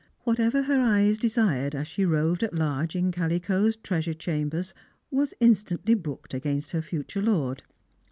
Whatever her eye desired, as she roved at large in Kaliko's treasure chambers, was instantly booked against her future lord.